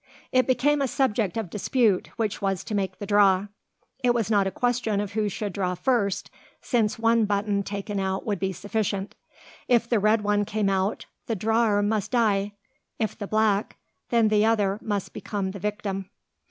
It became a subject of dispute, which was to make the draw. It was not a question of who should draw first, since one button taken out would be sufficient. If the red one came out, the drawer must die; if the black, then the other must become the victim.